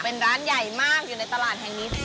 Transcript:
เป็นร้านใหญ่มากอยู่ในตลาดแห่งนี้